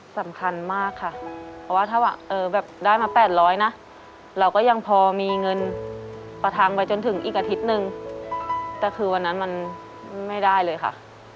สำคัญมากค่ะเพราะว่าถ้าว่าเออแบบได้มา๘๐๐นะเราก็ยังพอมีเงินประทังไปจนถึงอีกอาทิตย์นึงแต่คือวันนั้นมันไม่ได้เลยค่ะ